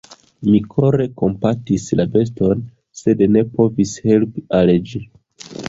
Mi kore kompatis la beston, sed ne povis helpi al ĝi.